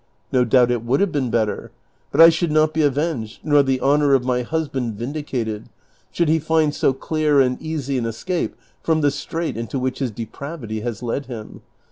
No doubt it would have been better ; but I should not be avenged, nor the honor of my husband vindicated, should he tind so clear and easy an escape from the strait into which his depravity has led him.